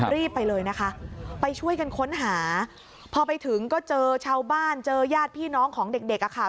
รีบไปเลยนะคะไปช่วยกันค้นหาพอไปถึงก็เจอชาวบ้านเจอญาติพี่น้องของเด็กเด็กอ่ะค่ะ